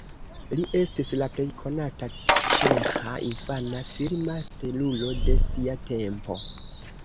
Li estis la plej konata ĉeĥa infana filma stelulo de sia tempo.